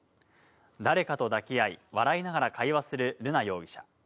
誰かと抱き合い、笑いながら会話する瑠奈容疑者。